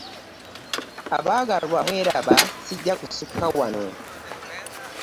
Abaagalwa mweraba. Sijja kusukka wano.